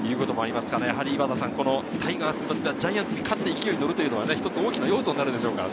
このタイガースにとってはジャイアンツに勝って勢いに乗るというのが一つの大きな要素になります。